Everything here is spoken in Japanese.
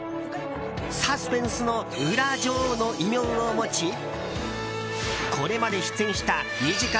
サスペンスの裏女王の異名を持ちこれまで出演した２時間